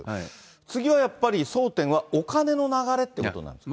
次はやっぱり争点はお金の流れってことになるんですか。